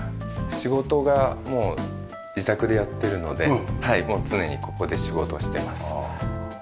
仕事がもう自宅でやってるので常にここで仕事してます。